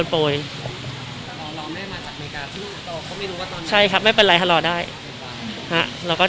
และทำให้คุณเจ็บ